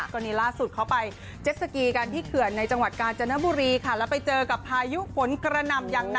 ตอนนี้ล่าสุดเขาไปเจ็ดสกีกันที่เขื่อนในจังหวัดกาญจนบุรีค่ะแล้วไปเจอกับพายุฝนกระหน่ำอย่างหนัก